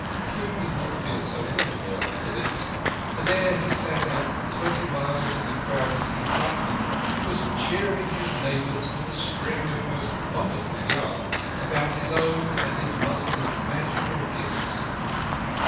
Kim did not feel so lonely after this, and ere he had sat out twenty miles in the crowded compartment, was cheering his neighbours with a string of most wonderful yarns about his own and his master's magical gifts.